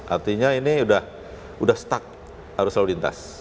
artinya ini sudah stuck harus selalu lintas